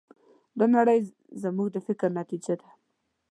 دا نړۍ زموږ د فکر نتیجه ده.